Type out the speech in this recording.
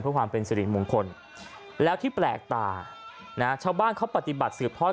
เพื่อความเป็นสิริมงคลแล้วที่แปลกตานะชาวบ้านเขาปฏิบัติสืบทอด